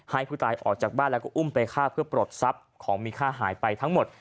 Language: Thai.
ให้ผู้ตายออกจากบ้านแล้วก็อุ้มไปฆ่าเพื่อปลดทรัพย์ของมีค่าหายไปทั้งหมด